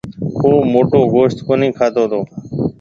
او موٽو گوشت ڪونَي کاتو تو۔